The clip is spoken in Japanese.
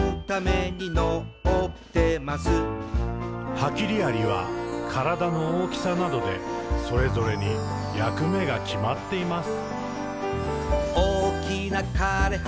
「ハキリアリはからだの大きさなどでそれぞれにやくめがきまっています。」